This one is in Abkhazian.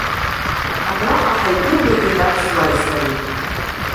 Абраҟа ҳаиԥырнагеит аԥсуааи сареи.